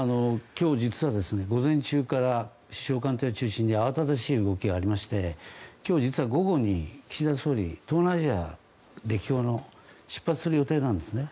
今日実は、午前中から首相官邸中心にあわただしい動きがありまして今日、実は午後に岸田総理、東南アジア歴訪に出発する予定なんですね。